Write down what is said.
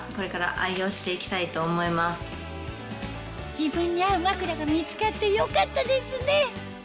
自分に合う枕が見つかってよかったですね